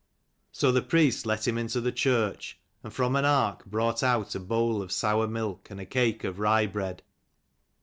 So the priest let him into the church and from an ark brought out a bowl of sour milk and a cake of rye bread.